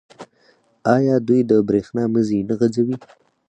آیا دوی د بریښنا مزي نه غځوي؟